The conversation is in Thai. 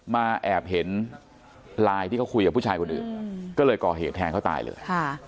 แอบเห็นไลน์ที่เขาคุยกับผู้ชายคนอื่นก็เลยก่อเหตุแทงเขาตายเลย